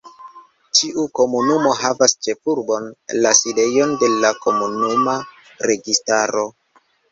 Ĉiu komunumo havas ĉefurbon, la sidejon de la komunuma registaro.